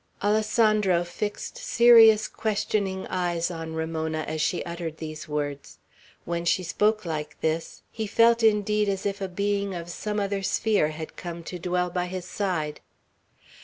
Alessandro fixed serious, questioning eyes on Ramona as she uttered these words. When she spoke like this, he felt indeed as if a being of some other sphere had come to dwell by his side.